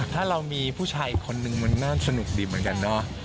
ถ้าเรามีผู้ชายอีกคนนึงมันน่าสนุกดีเหมือนกันเนาะ